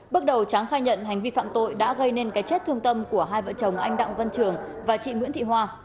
bước đầu tráng khai nhận hành vi phạm tội đã gây nên cái chết thương tâm của hai vợ chồng anh đặng văn trường và chị nguyễn thị hoa